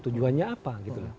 tujuannya apa gitu